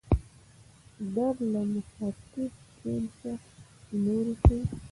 در د مخاطب دویم شخص لوری ښيي.